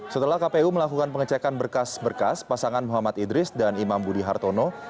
setelah kpu melakukan pengecekan berkas berkas pasangan muhammad idris dan imam budi hartono